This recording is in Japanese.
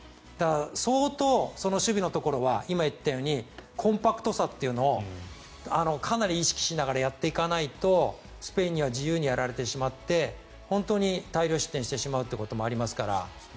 相当、守備のところは今、言ったようにコンパクトさっていうのをかなり意識しながらやっていかないとスペインに自由にやられてしまって本当に大量失点してしまうこともありますから。